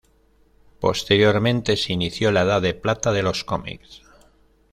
Posteriormente se inició la Edad de plata de los cómics.